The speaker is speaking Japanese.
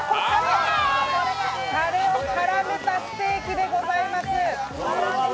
たれを絡めたステーキでございます。